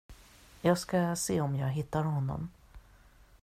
Jag ska se om jag hittar honom.